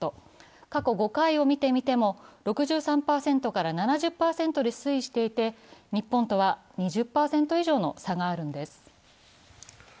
過去５回を見てみても、６３％から７０％で推移していて、日本とは２０％以上の差があるんです。